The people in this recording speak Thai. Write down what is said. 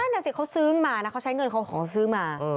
นั่นน่ะสิเขาซื้อมานะเขาใช้เงินเขาขอซื้อมา